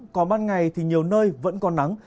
còn ban ngày thì nhiều nơi vẫn còn nắng